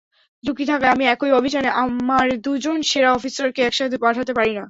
ঝুঁকি থাকায়, আমি একই অভিযানে আমার দুজন সেরা অফিসারকে একসাথে পাঠাতে পারি না।